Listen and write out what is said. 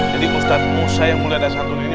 jadi ustadz musa yang mulia dasar dunia ini